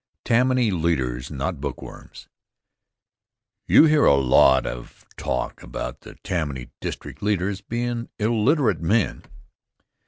Tammany Leaders Not Bookworms You hear a lot of talk about the Tammany district leaders bein' illiterate men.